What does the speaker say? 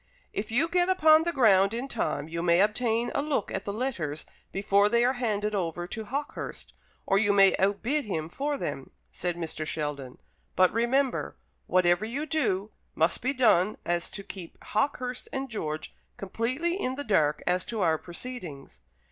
"If you get upon the ground in time, you may obtain a look at the letters before they are handed over to Hawkehurst, or you may outbid him for them," said Mr. Sheldon; "but remember, whatever you do must be so done as to keep Hawkehurst and George completely in the dark as to our proceedings.